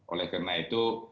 oleh karena itu